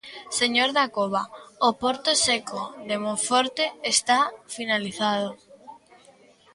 Señor Dacova, o porto seco de Monforte está finalizado.